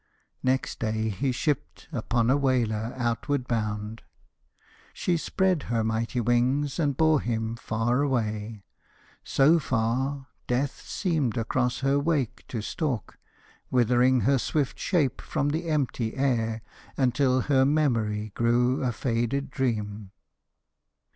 Next day he shipped Upon a whaler outward bound. She spread Her mighty wings, and bore him far away So far, Death seemed across her wake to stalk, Withering her swift shape from the empty air, Until her memory grew a faded dream.